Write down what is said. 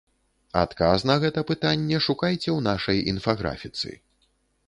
Адказ на гэта пытанне шукайце ў нашай інфаграфіцы.